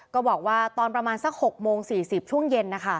ก็บอกว่าตอนประมาณสัก๖โมง๔๐ช่วงเย็นนะคะ